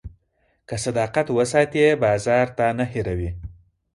که صداقت وساتې، بازار تا نه هېروي.